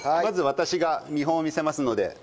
まず私が見本を見せますので。